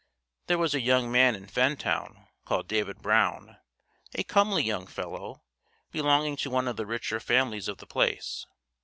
There was a young man in Fentown called David Brown, a comely young fellow, belonging to one of the richer families of the place.